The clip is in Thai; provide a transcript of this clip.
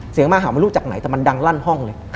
เสียงหมาเห่ามันรู้จากไหนแต่มันดังลั่นห้องเลย